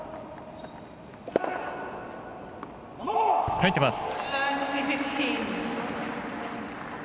入ってます！